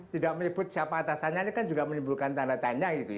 tidak menyebut siapa atasannya ini kan juga menimbulkan tanda tanya gitu ya